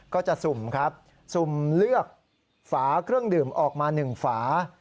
สุ่มครับสุ่มเลือกฝาเครื่องดื่มออกมา๑ฝา